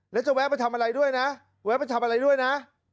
แล้วจะแวะไปทำอะไรด้วยนะ